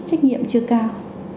trách nhiệm chưa cao